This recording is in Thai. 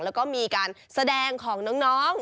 แล้วก็มีการแสดงของน้อง